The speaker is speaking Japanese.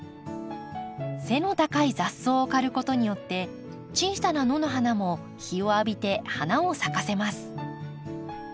背の高い雑草を刈ることによって小さな野の花も日を浴びて花を咲かせます。